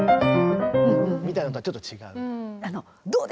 みたいなのとはちょっと違う。